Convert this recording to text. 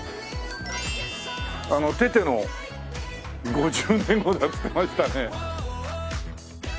テテの５０年後だっつってましたね。